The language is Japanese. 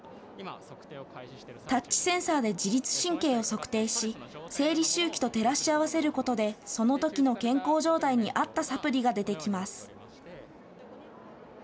タッチセンサーで自律神経を測定し、生理周期と照らし合わせることでそのときの健康状態に合ったサプリが出てきます。